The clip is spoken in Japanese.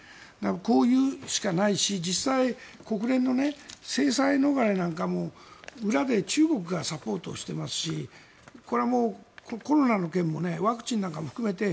こう言うしかないし実際、国連の制裁逃れなんかも裏で中国がサポートしていますしこれはもう、コロナの件もワクチンなんかも含めて